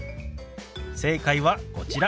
正解はこちら。